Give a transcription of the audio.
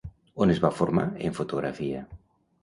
On es va formar en fotografia?